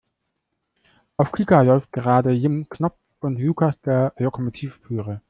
Auf Kika läuft gerade Jim Knopf und Lukas der Lokomotivführer.